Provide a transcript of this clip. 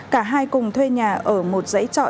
cả hai cùng thuê nhà ở một dãy trọ